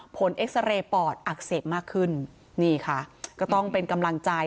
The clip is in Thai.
เอ็กซาเรย์ปอดอักเสบมากขึ้นนี่ค่ะก็ต้องเป็นกำลังใจ